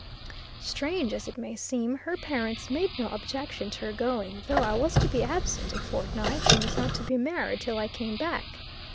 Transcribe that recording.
Strange as it may seem, her parents made no objection to her going, though I was to be absent a fortnight, and was not to be married till I came back.